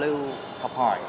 một vài tác phẩm ở ngoài